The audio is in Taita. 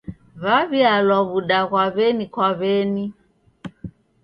W'aw'ialwa w'uda ghwa w'eni kwa w'eni.